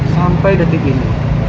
sampai detik ini